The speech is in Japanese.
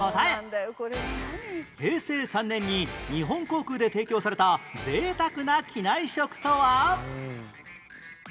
平成３年に日本航空で提供された贅沢な機内食とは